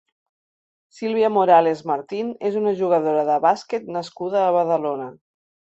Silvia Morales Martín és una jugadora de bàsquet nascuda a Badalona.